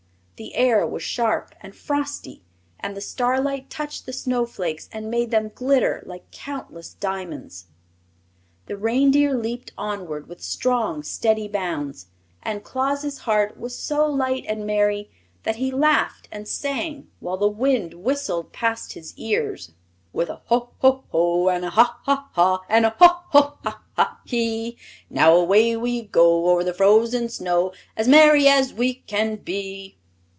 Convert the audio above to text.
The air was sharp and frosty and the starlight touched the snowflakes and made them glitter like countless diamonds. The reindeer leaped onward with strong, steady bounds, and Claus' heart was so light and merry that he laughed and sang while the wind whistled past his ears: "With a ho, ho, ho! And a ha, ha, ha! And a ho, ho! ha, ha, hee! Now away we go O'er the frozen snow, As merry as we can be!"